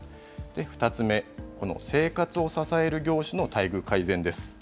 ２つ目、この生活を支える業種の待遇改善です。